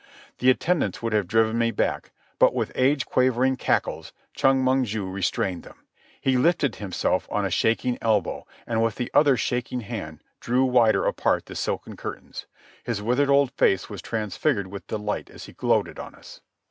The attendants would have driven me back, but with age quavering cackles Chong Mong ju restrained them. He lifted himself on a shaking elbow, and with the other shaking hand drew wider apart the silken curtains. His withered old face was transfigured with delight as he gloated on us.